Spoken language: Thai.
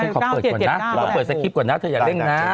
ก็เปิดสกิฟต์ก่อนนะเธออยากเล่นนะ